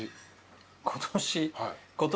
今年。